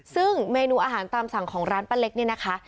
ซึ่งเมนูอาหารตามสั่งของร้านป้าเล็กเนี่ยนะคะ